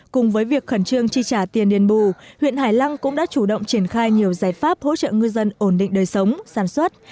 cùng với việc khẩn trương chi trả tiền đền bù huyện hải lăng cũng đã chủ động triển khai nhiều giải pháp hỗ trợ ngư dân ổn định đời sống sản xuất